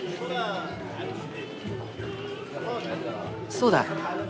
そうだ。